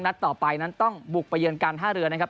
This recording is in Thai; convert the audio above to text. ต่อไปนั้นต้องบุกไปเยือนการท่าเรือนะครับ